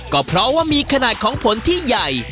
ก็เพราะว่ามีขนาดของผลที่ใหญ่